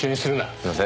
すいません。